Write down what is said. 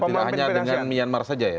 tidak hanya dengan myanmar saja ya